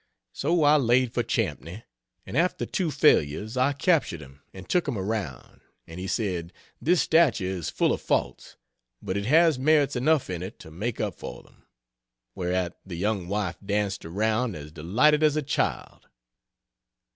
So I laid for Champney, and after two failures I captured him and took him around, and he said "this statue is full of faults but it has merits enough in it to make up for them" whereat the young wife danced around as delighted as a child.